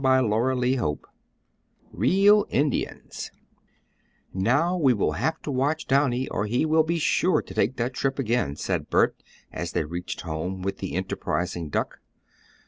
CHAPTER XII REAL INDIANS "Now we will have to watch Downy or he will be sure to take that trip again," said Bert, as they reached home with the enterprising duck.